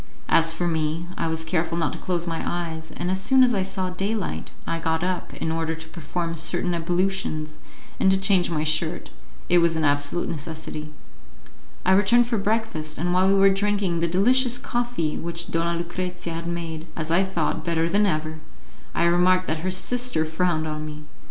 As for me, I was careful not to close my eyes, and as soon as I saw daylight I got up in order to perform certain ablutions and to change my shirt; it was an absolute necessity. I returned for breakfast, and while we were drinking the delicious coffee which Donna Lucrezia had made, as I thought, better than ever, I remarked that her sister frowned on me.